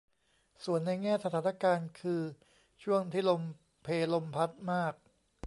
ส่วนในแง่สถานการณ์คือช่วงที่ลมเพลมพัดมาก